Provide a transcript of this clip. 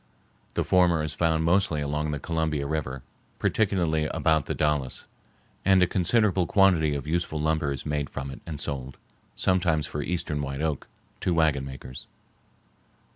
The former is found mostly along the Columbia River, particularly about the Dalles, and a considerable quantity of useful lumber is made from it and sold, sometimes for eastern white oak, to wagon makers.